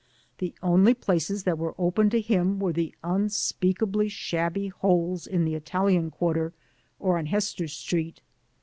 The only places that were open to him were the unspeakably shabby holes in the Italian quarter or on Hester Street.